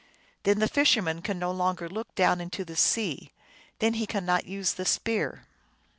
Then the fisherman can no longer look down into the sea ; then he cannot use the spear.